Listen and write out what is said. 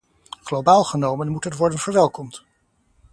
Globaal genomen moet het worden verwelkomd.